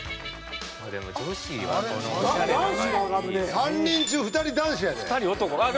３人中２人男子やで！